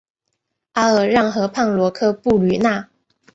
阿尔让河畔罗科布吕讷。